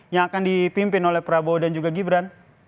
yang akan dipimpin oleh prabowo dan juga gibran